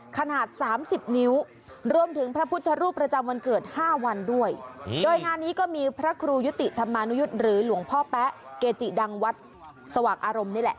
ขนาด๓๐นิ้วรวมถึงพระพุทธรูปประจำวันเกิด๕วันด้วยโดยงานนี้ก็มีพระครูยุติธรรมานุยุทธ์หรือหลวงพ่อแป๊ะเกจิดังวัดสว่างอารมณ์นี่แหละ